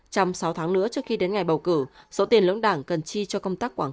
trong sáu tháng nữa trước khi đến ngày bầu cử số tiền lưỡng đảng cần chi cho công tác quảng cáo